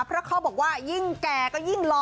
เพราะเขาบอกว่ายิ่งแก่ก็ยิ่งหล่อ